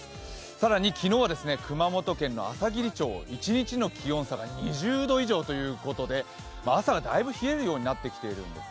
更に昨日は熊本県であさぎり町、一日の気温差が２０度以上ということで朝はだいぶ冷えるようになってきています。